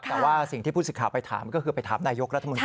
แต่ว่าสิ่งที่ผู้สิทธิ์ไปถามก็คือไปถามนายกรัฐมนตรี